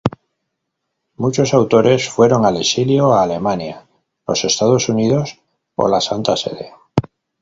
Muchos autores fueron al exilio —a Alemania, los Estados Unidos o la Santa Sede.